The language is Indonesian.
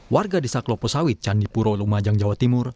warga desa kloposawit candipuro lumajang jawa timur